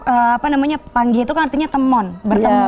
apa namanya panggil itu kan artinya temon bertemu